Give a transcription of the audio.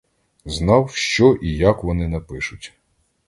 Знав, що і як вони напишуть.